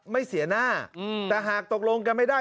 ไม่เสียหน้าแต่หากตกลงกันไม่ได้